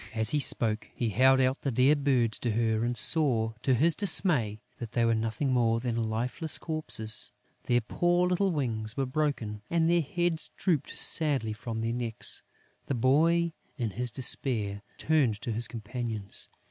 As he spoke, he held out the dear birds to her and saw, to his dismay, that they were nothing more than lifeless corpses: their poor little wings were broken and their heads drooped sadly from their necks! The boy, in his despair, turned to his companions.